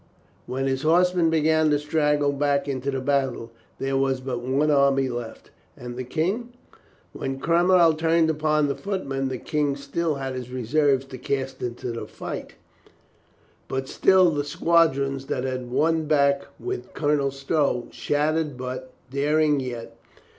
When his horsemen began to straggle back into the battle there was but one army left. And the King? When Cromwell turned upon the footmen, the King had still his reserves to cast into the fight, had still the squadrons that had won back with Colonel Stow, shattered but daring yet.